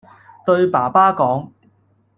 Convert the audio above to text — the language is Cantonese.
對爸爸講